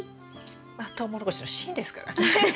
まあトウモロコシの芯ですからね。